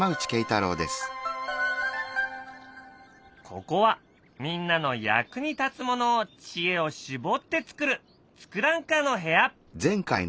ここはみんなの役に立つものを知恵を絞って作る「ツクランカー」の部屋。